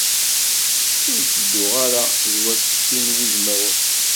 Ur ttedduɣ ara d wat sin n wudmawen.